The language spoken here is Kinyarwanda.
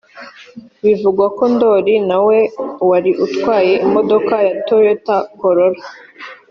Bivugwa ko Ndoli na we wari utwaye imodoka ya Toyota Corolla